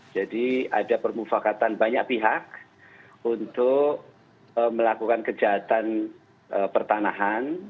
jadi ada permufakatan banyak pihak untuk melakukan kejahatan pertanahan